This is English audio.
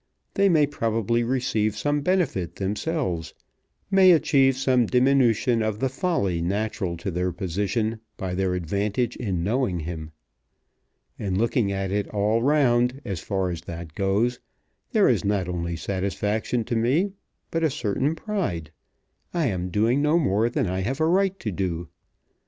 They may probably receive some benefit themselves, may achieve some diminution of the folly natural to their position, by their advantage in knowing him. In looking at it all round, as far as that goes, there is not only satisfaction to me, but a certain pride. I am doing no more than I have a right to do.